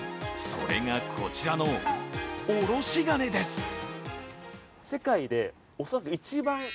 それがこちらの、おろし金です。